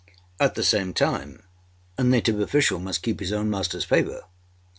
At the same time a native official must keep his own masterâs favour.